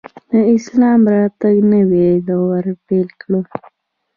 د اسلام راتګ نوی دور پیل کړ